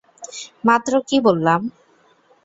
মাত্র কী বললাম?